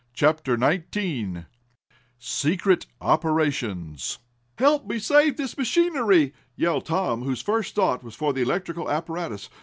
CHAPTER XIX SECRET OPERATIONS "Help me save this machinery!" yelled Tom, whose first thought was for the electrical apparatus.